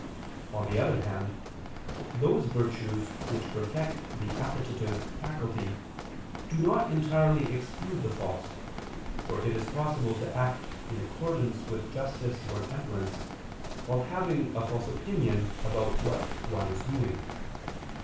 On the other hand those virtues which perfect the appetitive faculty, do not entirely exclude the false, for it is possible to act in accordance with justice or temperance, while having a false opinion about what one is doing.